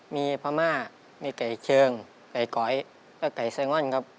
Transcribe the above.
มีพม่ามีไก่เชิงไก่ก๋อยและไก่แซงอนครับ